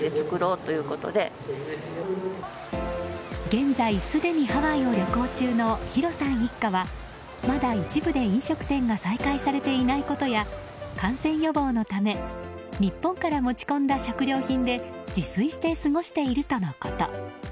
現在、すでにハワイを旅行中のひろさん一家はまだ一部で飲食店が再開されていないことや感染予防のため日本から持ち込んだ食料品で自炊して過ごしているとのこと。